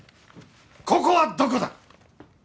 ここはどこだ？